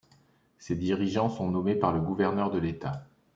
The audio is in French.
Ces dirigeants sont nommés par le Gouverneur de l'État.